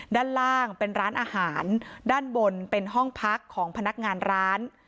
ด้านล่างเป็นร้านอาหารด้านบนเป็นห้องพักของพนักงานร้าน